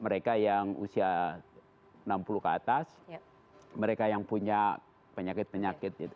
mereka yang usia enam puluh ke atas mereka yang punya penyakit penyakit